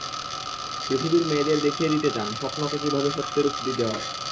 পৃথিবীর মেয়েদের দেখিয়ে দিতে চান, স্বপ্নকে কীভাবে সত্যে রূপ দিতে হয়।